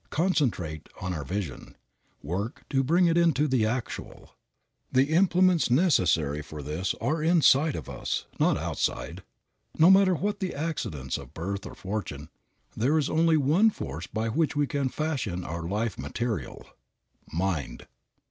Concentrate on our vision. Work to bring it into the actual. The implements necessary for this are inside of us, not outside. No matter what the accidents of birth or fortune, there is only one force by which we can fashion our life material mind.